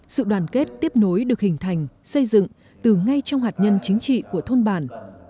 sự đoàn kết tiếp nối được hình thành xây dựng từ ngay trong hạt nhân chính trị của thôn bản